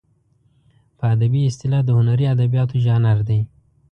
په ادبي اصطلاح د هنري ادبیاتو ژانر دی.